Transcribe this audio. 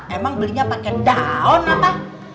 emang belinya pakai daun apa